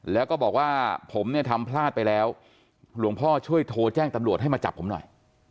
แล้วก็บอกว่าผมเนี่ยทำพลาดไปแล้วหลวงพ่อช่วยโทรแจ้งตำรวจให้มาจับผมหน่อย